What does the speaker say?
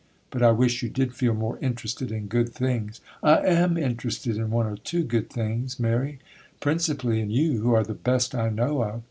But I wish you did feel more interested in good things.' 'I am interested in one or two good things, Mary,—principally in you, who are the best I know of.